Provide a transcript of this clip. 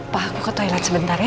wah aku ke toilet sebentar ya